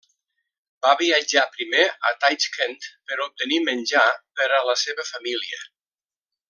Va viatjar primer a Taixkent per obtenir menjar per a la seva família.